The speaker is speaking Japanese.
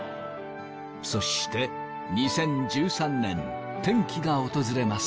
そして２０１３年転機が訪れます。